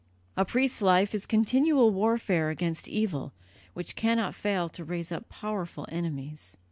A priest's life is a continual warfare against evil, which cannot fail to raise up powerful enemies.